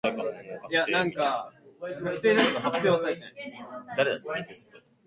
The highest peak of the mountain was later named after him-Low's Peak.